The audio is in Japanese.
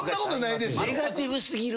ネガティブすぎるわ。